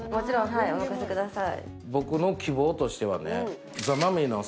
はいお任せください。